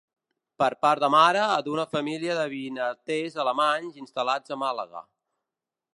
Per part de mare, d'una família de vinaters alemanys instal·lats a Màlaga.